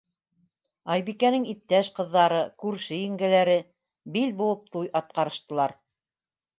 Айбикәнең иптәш ҡыҙҙары, күрше еңгәләре, бил быуып, туй атҡарыштылар.